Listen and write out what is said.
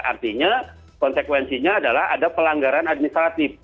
artinya konsekuensinya adalah ada pelanggaran administratif